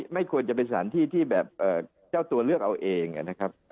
ไม่ควรจะเป็นสถานที่ที่แบบเจ้าตัวเลือกเอาเองนะครับ